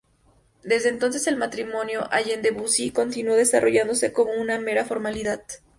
Desde entonces el matrimonio Allende Bussi continuó desarrollándose como una mera formalidad.